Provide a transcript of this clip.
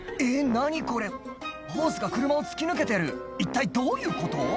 何これホースが車を突き抜けてる一体どういうこと？